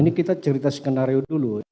ini kita cerita skenario dulu